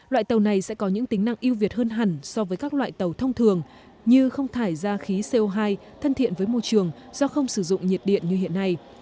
loại tàu này sẽ có những tính năng yêu việt hơn hẳn so với các loại tàu thông thường như không thải ra khí co hai thân thiện với môi trường do không sử dụng nhiệt điện như hiện nay